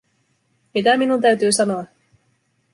Mitä minun täytyy sanoa?